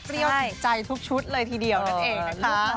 เปรี้ยวสินใจทุกชุดเลยทีเดียวนั้นเองนะคะ